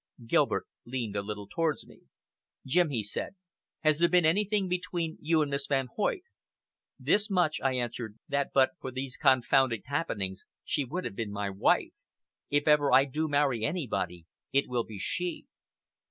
Gilbert leaned a little towards me. "Jim," he said, "has there been anything between you and Miss Van Hoyt?" "This much," I answered, "that but for these confounded happenings, she would have been my wife. If ever I do marry anybody, it will be she."